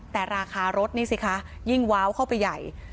แต่ราคารถนี่สิคะยิ่งว้าวเข้าไปใหญ่